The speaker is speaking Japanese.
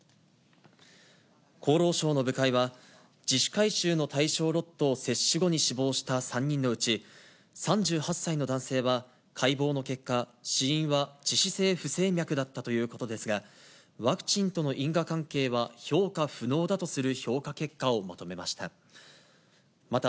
厚労省の部会は、自主回収の対象ロットを接種後に死亡した３人のうち、３８歳の男性は解剖の結果、死因は致死性不整脈だったということですが、ワクチンとの因果関係は評価不能だとする評価結果をまとめました。